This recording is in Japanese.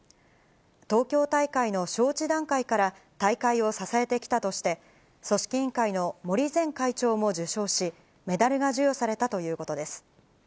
東京大会の招致段階から大会を支えてきたとして、組織委員会の森前会長も受章し、メダルが授与されたということです。